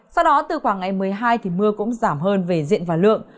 sau đó từ khoảng ngày một mươi hai thì mưa cũng giảm hơn về diện và lượng